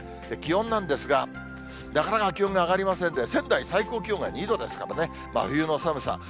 気温なんですが、なかなか気温が上がりませんで、仙台、最高気温が２度ですからね、真冬の寒さ。